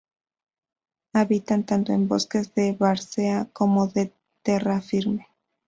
Habita tanto en bosques de várzea como de "terra firme".